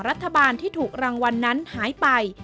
รัฐบาลที่ถูกรางวัลนั้นหายไป